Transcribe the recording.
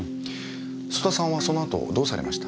曽田さんはその後どうされました？